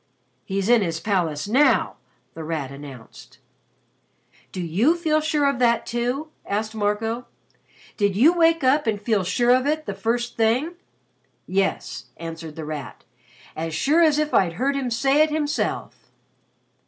"He's in his palace now," The Rat announced. "Do you feel sure of that, too?" asked Marco. "Did you wake up and feel sure of it the first thing?" "Yes," answered The Rat. "As sure as if I'd heard him say it himself."